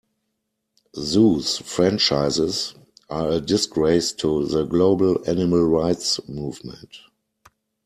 Zoos franchises are a disgrace to the global animal rights movement.